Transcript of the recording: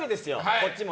こっちも。